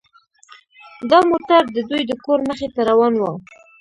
دا موټر د دوی د کور مخې ته روان و